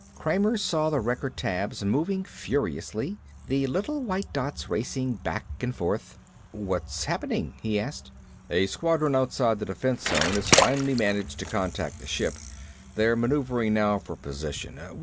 Kramer saw the record tabs moving furiously, the little white dots racing back and forth. "What's happening?" he asked. "A squadron outside the defense zone has finally managed to contact the ship. They're maneuvering now, for position.